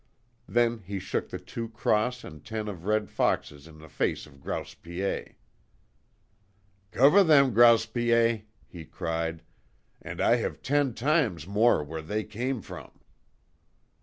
Then he shook the two cross and ten red foxes in the face of Grouse Piet. "Cover them, Grouse Piet," he cried. "And I have ten times more where they came from!"